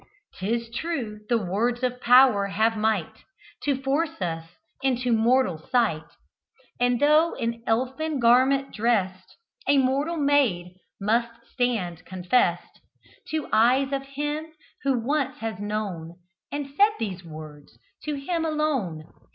'Tis true: the words of power have might To force us into mortal sight, And, tho' in elfin garment drest, A mortal maid must stand confest To eyes of him who once has known And said these words to him alone.